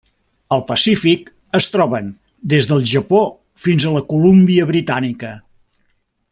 Al Pacífic es troben des del Japó fins a la Colúmbia britànica.